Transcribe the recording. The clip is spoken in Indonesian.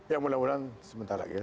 ya mudah mudahan sebentar lagi ya